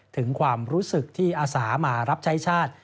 ถึงความรู้สึกที่อาสามารับใช้ชาติ